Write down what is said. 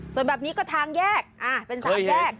ส่วนแบบนี้ก็ทางแยกเป็น๓แยก